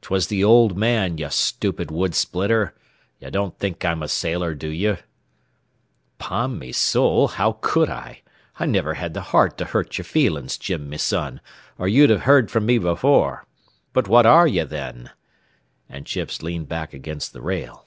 'Twas the old man, you stupid wood splitter. You don't think I'm a sailor, do you?" "'Pon me sowl, how cud I? I niver had th' heart to hurt yer feelings, Jim, me son, or ye'd have heard from me before. But what are ye, thin?" And Chips leaned back against the rail.